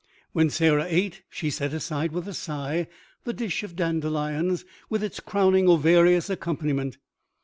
When Sarah ate she set aside, with a sigh, the dish of dandelions with its crowning ovarious accompaniment.